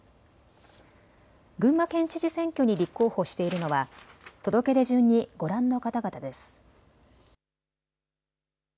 群馬県知事選挙に立候補しているのは届け出順にご覧の方々です。